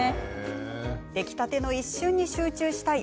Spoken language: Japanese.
出来たての一瞬に集中したい